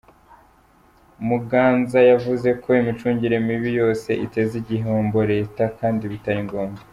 Muganza yavuze ko imicungire mibi yose iteza igihombo Leta kandi bitari ngombwa.